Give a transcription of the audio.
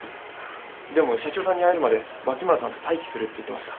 でも社長さんに会えるまで牧村さんと待機するって言ってました。